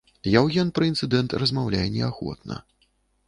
Яўген пра інцыдэнт размаўляе неахвотна.